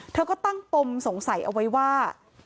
เธอก็ตั้งปมสงสัยเอาไว้ว่า